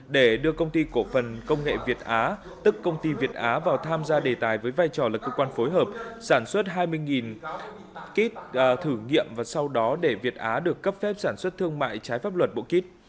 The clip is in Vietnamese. để đưa công ty cổ phần công nghệ việt á tức công ty việt á vào tham gia đề tài với vai trò là cơ quan phối hợp sản xuất hai mươi kit thử nghiệm và sau đó để việt á được cấp phép sản xuất thương mại trái pháp luật bộ kít